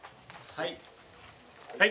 はい。